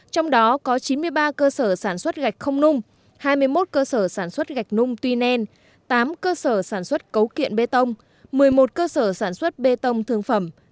trong đó có chín mươi ba cơ sở sản xuất gạch không nung hai mươi một cơ sở sản xuất gạch nung tuy nen tám cơ sở sản xuất cấu kiện bê tông một mươi một cơ sở sản xuất bê tông thương phẩm